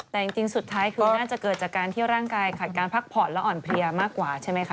แต่จริงสุดท้ายคือน่าจะเกิดจากการที่ร่างกายขาดการพักผ่อนและอ่อนเพลียมากกว่าใช่ไหมคะ